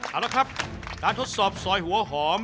เอาละครับการทดสอบซอยหัวหอม